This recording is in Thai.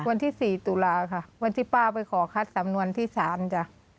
วันที่๔ตุลาค่ะวันที่ป้าไปขอคัดสำนวนที่๓จ้ะ